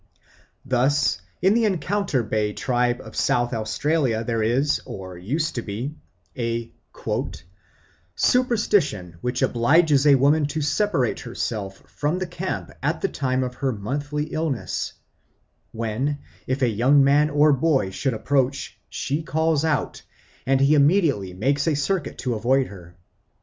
Thus in the Encounter Bay tribe of South Australia there is, or used to be, a "superstition which obliges a woman to separate herself from the camp at the time of her monthly illness, when if a young man or boy should approach, she calls out, and he immediately makes a circuit to avoid her.